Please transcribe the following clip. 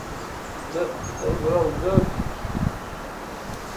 Qozog‘iston Respublikasi delegatsiyasi – Sirdaryoda